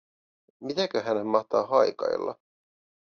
Mitäköhän hän mahtaa haikailla?